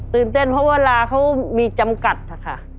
ตื่นเต้นเพราะว่าเวลาเขามีจำกัดค่ะ